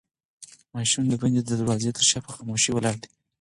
ماشوم د بندې دروازې تر شا په خاموشۍ ولاړ دی.